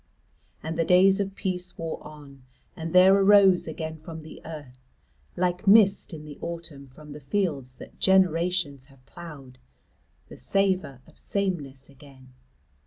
And the days of peace wore on and there arose again from the earth, like mist in the autumn from the fields that generations have ploughed, the savour of sameness again.